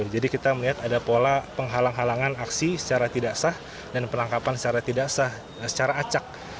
jadi kita melihat ada pola penghalang halangan aksi secara tidak sah dan penangkapan secara tidak sah secara acak